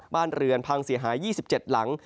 บ้านเรือนพังเสียหาย๒๗หลัง